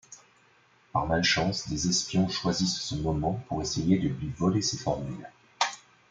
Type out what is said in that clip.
Par malchance, des espions choisissent ce moment pour essayer de lui voler ses formules.